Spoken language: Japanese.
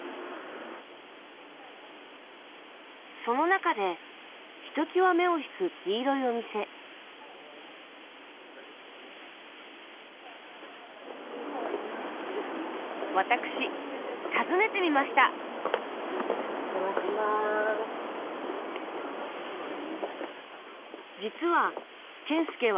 その中でひときわ目を引く黄色いお店私訪ねてみましたお邪魔します。